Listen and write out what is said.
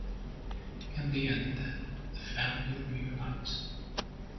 In the end the family reunites.